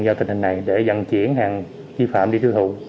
vào tình hình này để vận chuyển hàng tri phạm đi thư thụ